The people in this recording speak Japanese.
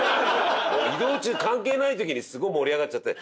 移動中関係ない時にすごい盛り上がっちゃって。